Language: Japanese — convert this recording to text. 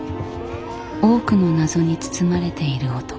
多くの謎に包まれている男。